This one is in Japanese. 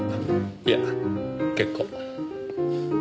いや結構。